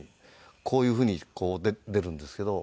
こういう風にこう出るんですけど。